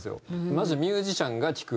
マジでミュージシャンが聴く。